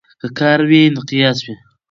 که کار وي نو قیاس وي.